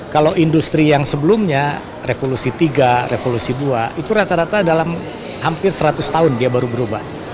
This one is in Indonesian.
kalau industri yang sebelumnya revolusi tiga revolusi dua itu rata rata dalam hampir seratus tahun dia baru berubah